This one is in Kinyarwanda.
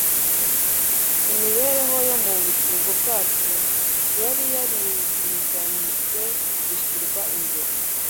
Imibereho yo mu bugingo bwacu yari yarirengagijwe, idushyirwa imbere,